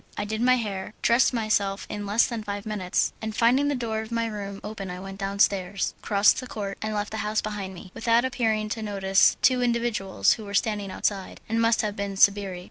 I did my hair, dressed myself in less than five minutes, and finding the door of my room open I went downstairs, crossed the court, and left the house behind me, without appearing to notice two individuals who were standing outside, and must have been sbirri.